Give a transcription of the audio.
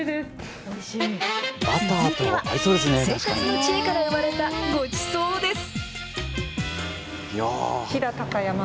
続いては、生活の知恵から生まれたごちそうです。